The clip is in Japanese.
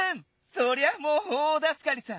そりゃもうおおだすかりさ。